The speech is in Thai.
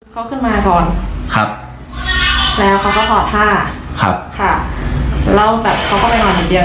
เขาขึ้นมาก่อนครับแล้วเขาก็ถอดผ้าครับค่ะแล้วแบบเขาก็ไปนอนอย่างเดียว